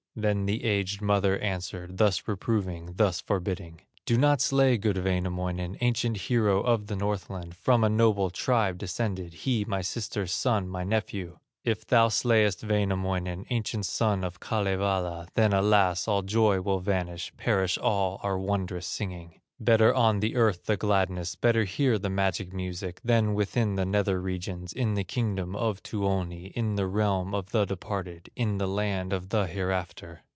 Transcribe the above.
Then the aged mother answered, Thus reproving, thus forbidding: "Do not slay good Wainamoinen, Ancient hero of the Northland, From a noble tribe descended, He, my sister's son, my nephew. If thou slayest Wainamoinen, Ancient son of Kalevala, Then alas! all joy will vanish, Perish all our wondrous singing; Better on the earth the gladness, Better here the magic music, Than within the nether regions, In the kingdom of Tuoni, In the realm of the departed, In the land of the hereafter."